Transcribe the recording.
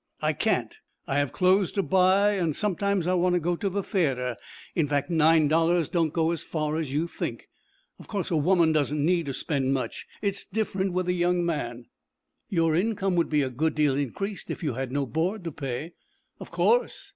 "I can't. I have clothes to buy, and sometimes I want to go to the theatre, and in fact, nine dollars don't go as far as you think. Of course, a woman doesn't need to spend much. It's different with a young man." "Your income would be a good deal increased if you had no board to pay." "Of course.